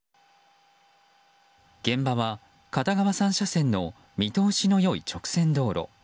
現場は片側３車線の見通しの良い直線道路。